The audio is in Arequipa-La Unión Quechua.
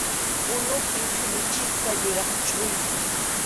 Unupi chulluchisqa yuraq chʼuñu.